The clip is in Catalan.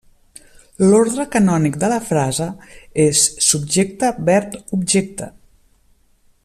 L'ordre canònic de la frase és subjecte-verb-objecte.